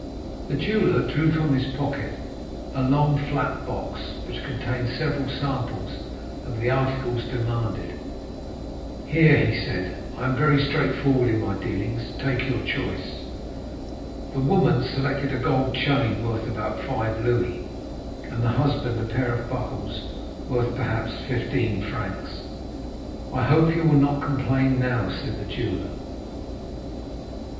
"The jeweller drew from his pocket a long flat box, which contained several samples of the articles demanded. 'Here,' he said, 'I am very straightforward in my dealings—take your choice.' "The woman selected a gold chain worth about five louis, and the husband a pair of buckles, worth perhaps fifteen francs. "'I hope you will not complain now?' said the jeweller.